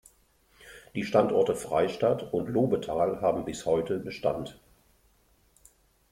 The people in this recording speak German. Die Standorte Freistatt und Lobetal haben bis heute Bestand.